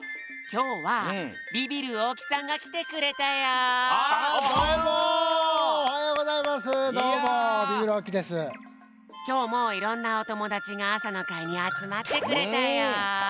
きょうもいろんなおともだちが朝の会にあつまってくれたよ。